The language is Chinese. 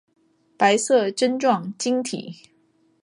白色针状晶体。